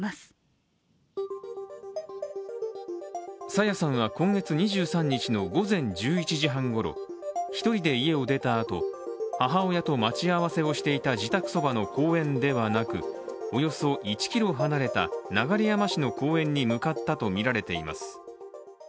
朝芽さんは今月２３日の午前１１時半ごろ一人で家を出たあと母親と待ち合わせをしていた自宅そばの公園ではなく、およそ１ｋｍ離れた流山市内の公園に向かったとみられています。